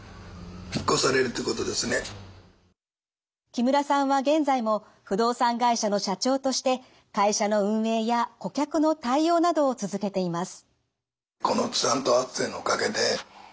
木村さんは現在も不動産会社の社長として会社の運営や顧客の対応などを続けています。